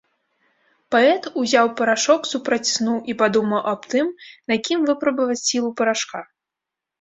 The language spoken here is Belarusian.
Паэт узяў парашок супраць сну і падумаў аб тым, на кім выпрабаваць сілу парашка.